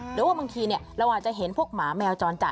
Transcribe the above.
หรือว่าบางทีเราอาจจะเห็นพวกหมาแมวจรจัด